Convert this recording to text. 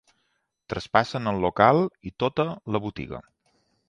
Traspassen el local i tota la botiga.